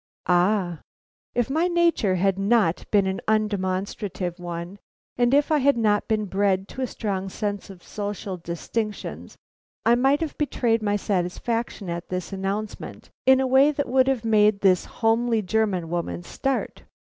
Ah! If my nature had not been an undemonstrative one, and if I had not been bred to a strong sense of social distinctions, I might have betrayed my satisfaction at this announcement in a way that would have made this homely German woman start.